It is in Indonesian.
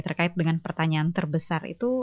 terkait dengan pertanyaan terbesar itu